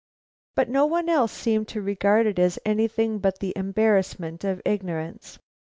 But no one else seemed to regard it as anything but the embarrassment of ignorance.